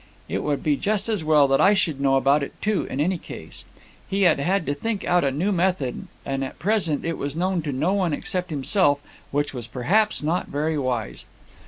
It would be just as well that I should know about it too, in any case. He had had to think out a new method, and at present it was known to no one except himself, which was perhaps not very wise.